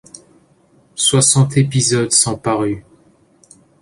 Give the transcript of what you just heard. Soixante épisodes sont parus.